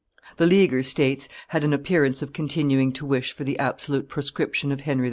The Leaguer states had an appearance of continuing to wish for the absolute proscription of Henry IV.